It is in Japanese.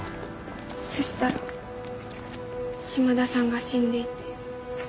そしたら島田さんが死んでいて。